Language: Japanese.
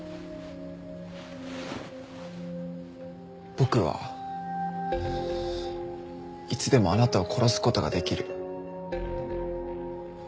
僕はいつでもあなたを殺す事ができる。